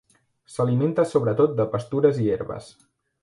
S'alimenta sobretot de pastures i herbes.